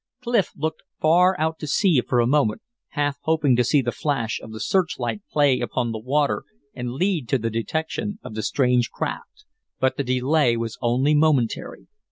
Clif looked far out to sea for a moment, half hoping to see the flash of the searchlight play upon the water, and lead to the detection of the strange craft. But the delay was only momentary.